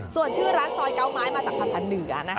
ส่วนชื่อร้านซอยเก้าไม้มาจากภาษาเหนือนะคะ